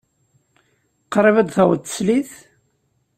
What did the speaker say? Qrib ad d-taweḍ teslit?